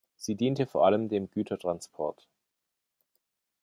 Sie diente vor allem dem Gütertransport.